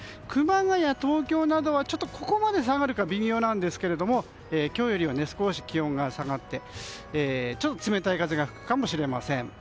熊谷、東京などはここまで下がるかは微妙なんですけれども今日よりは少し気温が下がってちょっと冷たい風が吹くかもしれません。